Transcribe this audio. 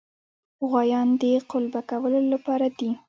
غوایان د قلبه کولو لپاره دي.